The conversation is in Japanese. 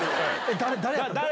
誰？